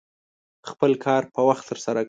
خپل کار په وخت ترسره کړه.